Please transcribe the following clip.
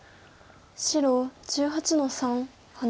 白１８の三ハネ。